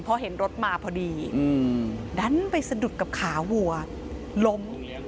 พอเห็นรถมาพอดีดันไปสะดุดกับขาวัวล้ม